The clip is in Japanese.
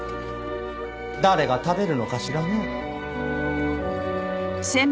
誰が食べるのかしらね。